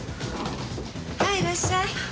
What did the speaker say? はいいらっしゃい。